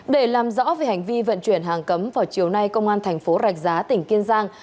để làm rõ về hành vi vận chuyển hàng cấm vào chiều nay công an thành phố rạch giá tỉnh kiên giang